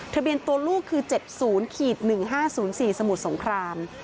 ทะเบียนตัวลูกคือ๗๐๑๕๐๔สมุทรสงคราม